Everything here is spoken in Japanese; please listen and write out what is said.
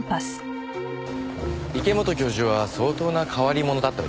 池本教授は相当な変わり者だったみたいですね。